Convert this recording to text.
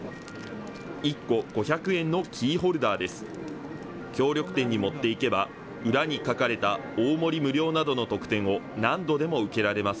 １個５００円のキーホルダーです。